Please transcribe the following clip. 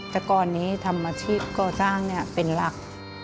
แต่ก่อนนี้ทำอาชีพก่อสร้างเป็นหลัก